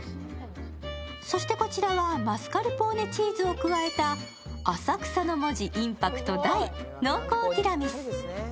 そして、こちらはマスカルポーネチーズを加えた浅草の文字インパクト大、濃厚ティラミス。